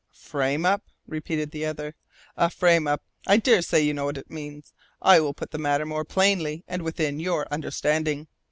'" "Frame up?" repeated the other. "A frame up. I dare say you know what it means I will put the matter more plainly and within your understanding.